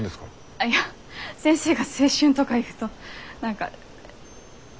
あっいや先生が青春とか言うと何か。